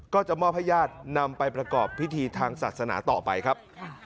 ก็จะมอบให้ญาตินำไปประกอบพิธีทางศาสนาต่อไปครับ